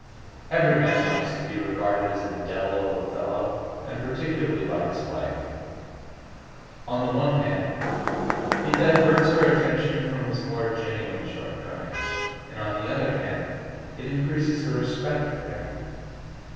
Every man likes to be regarded as a devil of a fellow, and particularly by his wife. On the one hand, it diverts her attention from his more genuine shortcomings, and on the other hand it increases her respect for him.